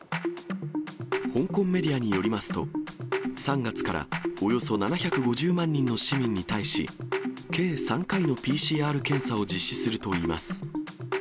香港メディアによりますと、３月からおよそ７５０万人の市民に対し、計３回のＰＣＲ検査を実施するといいます。